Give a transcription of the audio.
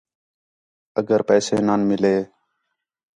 اگر پیسے نان مِلے